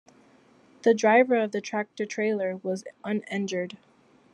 The driver of the tractor trailer was uninjured.